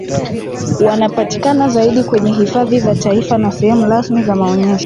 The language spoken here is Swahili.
Wanapatikana zaidi kwenye hifadhi za taifa na sehemu rasmi za maonyesho